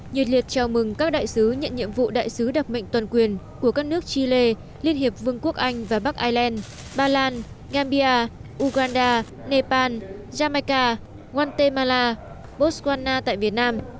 nhiệt liệt chào mừng các đại sứ nhận nhiệm vụ đại sứ đặc mệnh toàn quyền của các nước chile liên hiệp vương quốc anh và bắc ireland ba lan gambia uganda nepal jamaica guatemala botswana tại việt nam